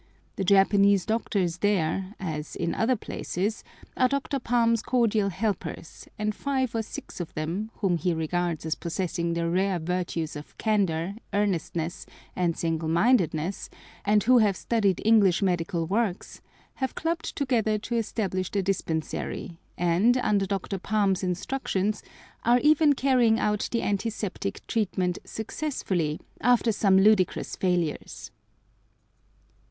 The Japanese doctors there, as in some other places, are Dr. Palm's cordial helpers, and five or six of them, whom he regards as possessing the rare virtues of candour, earnestness, and single mindedness, and who have studied English medical works, have clubbed together to establish a dispensary, and, under Dr. Palm's instructions, are even carrying out the antiseptic treatment successfully, after some ludicrous failures!